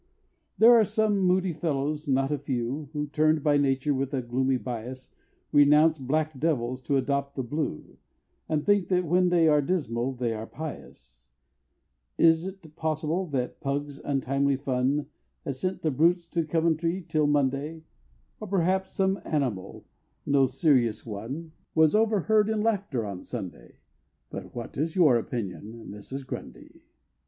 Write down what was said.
There are some moody fellows, not a few, Who, turn'd by Nature with a gloomy bias, Renounce black devils to adopt the blue, And think when they are dismal they are pious: Is't possible that Pug's untimely fun Has sent the brutes to Coventry till Monday Or p'rhaps some animal, no serious one, Was overheard in laughter on a Sunday But what is your opinion, Mrs. Grundy?